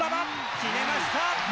決めました。